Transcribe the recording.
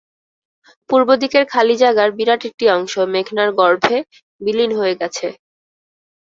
পূর্ব দিকের খালি জায়গার বিরাট একটি অংশ মেঘনার গর্ভে বিলীন হয়ে গেছে।